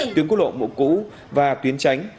tuyến quốc lộ một cũ và tuyến tránh